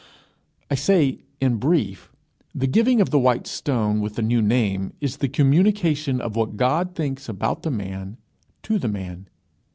I say, in brief, the giving of the white stone with the new name is the communication of what God thinks about the man to the man.